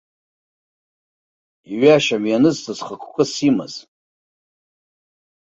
Иҩашьом ианызҵоз хықәкыс имаз.